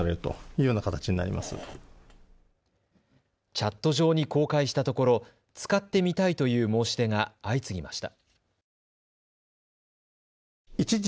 チャット上に公開したところ使ってみたいという申し出が相次ぎました。